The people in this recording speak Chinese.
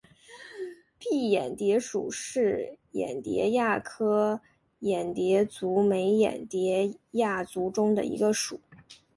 蔽眼蝶属是眼蝶亚科眼蝶族眉眼蝶亚族中的一个属。